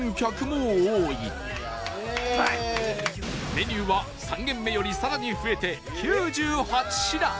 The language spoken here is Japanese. メニューは３軒目より更に増えて９８品